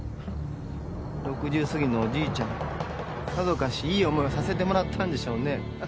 ６０過ぎのおじいちゃんもさぞかしいい思いをさせてもらったんでしょうね